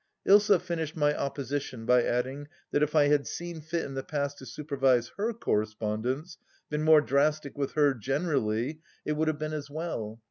... Ilsa finished my opposition by adding that if I had seen fit in the past to supervise her correspondence, been more drastic with her generally, it would have been as well.